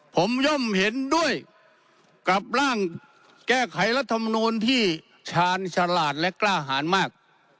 ผมย่อมเห็นด้วยกับร่างแก้ไขรัฐมนูลที่ชาญฉลาดและกล้าหารมาก